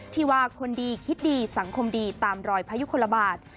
ที่ว่าคนดีคิดดีสังคมดีตามรอยพยุคลบาท